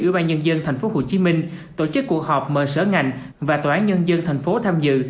ủy ban nhân dân tp hcm tổ chức cuộc họp mời sở ngành và tòa án nhân dân tp hcm tham dự